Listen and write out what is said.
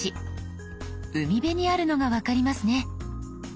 海辺にあるのが分かりますね。